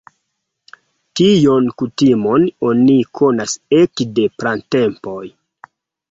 Tion kutimon oni konas ekde pratempoj.